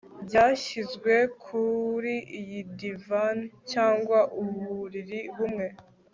Byashyizwe kuri iyi divan cyangwa uburiri bumwe